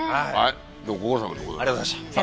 ご苦労さまでございました。